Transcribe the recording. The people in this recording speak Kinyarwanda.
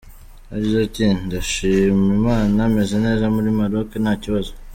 Yagize ati “Ndashima Imana meze neza muri Maroc nta kibazo.